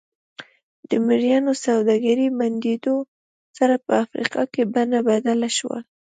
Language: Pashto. د مریانو سوداګرۍ بندېدو سره په افریقا کې بڼه بدله شوه.